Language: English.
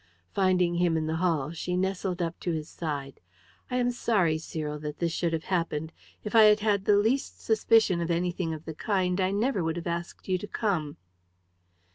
Finding him in the hall, she nestled up to his side. "I am sorry, Cyril, that this should have happened. If I had had the least suspicion of anything of the kind, I never would have asked you to come."